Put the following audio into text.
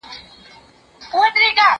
ما د ښوونځي کتابونه مطالعه کړي دي!!